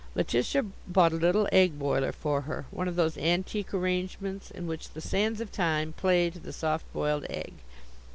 Letitia bought a little egg boiler for her one of those antique arrangements in which the sands of time play to the soft boiled egg.